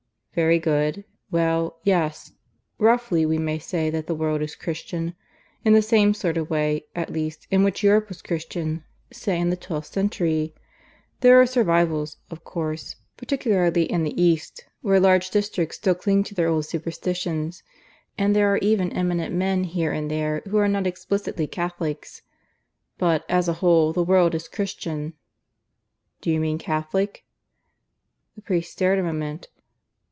"Very good. Well, yes: roughly we may say that the world is Christian, in the same sort of way, at least, in which Europe was Christian, say in the twelfth century. There are survivals, of course, particularly in the East, where large districts still cling to their old superstitions; and there are even eminent men here and there who are not explicitly Catholics; but, as a whole, the world is Christian." "Do you mean Catholic?" The priest stared a moment.